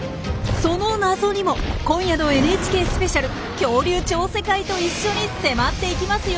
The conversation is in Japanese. その謎にも今夜の「ＮＨＫスペシャル恐竜超世界」と一緒に迫っていきますよ。